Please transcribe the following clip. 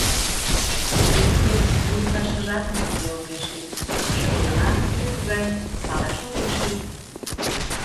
Вет тудым вурсашыжат нигузе огеш лий, кӧ ойла, кӧ тугай — палаш огеш лий.